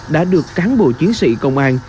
đã được cán bộ chiến sĩ công an